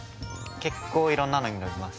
結構いろんなのに乗ります。